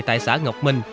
tại xã ngọc minh